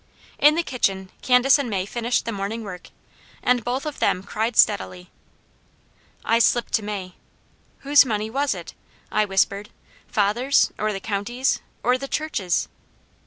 In the kitchen Candace and May finished the morning work, and both of them cried steadily. I slipped to May, "Whose money was it?" I whispered. "Father's, or the county's, or the church's?"